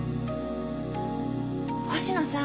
星野さん。